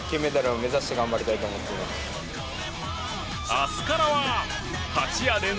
明日からは８夜連続